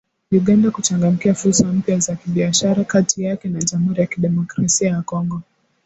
Uganda kuchangamkia fursa mpya za kibiashara kati yake na Jamhuri ya Kidemokrasia ya Kongo